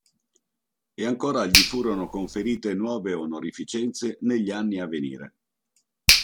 E ancora gli furono conferite nuove onorificenze negli anni a venire.